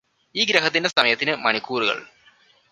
ഈ ഗ്രഹത്തിന്റെ സമയത്തിന് മണികൂറുകൾ